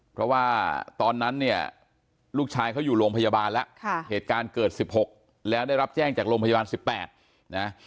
เพราะว่าตอนนั้นเนี่ยลูกชายเขาอยู่โรงพยาบาลแล้วเหตุการณ์เกิด๑๖แล้วได้รับแจ้งจากโรงพยาบาล๑๘นะ